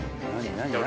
「何？